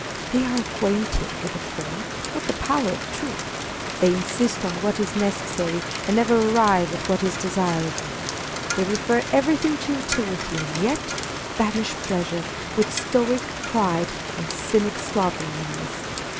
They are acquainted with the form, not the power of truth ; they insist on what is necessary, and never arrive at what is desirable. They refer everything to utility, and yet banish pleasure with stoic pride and cynic slovenliness.